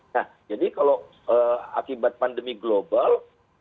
nah jadi kalau akibat pandemi global